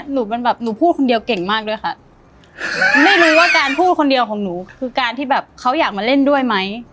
หนูเป็นแบบหนูพูดคนเดียวเก่งมากด้วยค่ะไม่รู้ว่าการพูดคนเดียวของหนูคือการที่แบบเขาอยากมาเล่นด้วยไหม